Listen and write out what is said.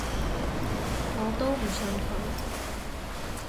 我都唔信佢